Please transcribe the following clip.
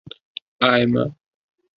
আয়, মা।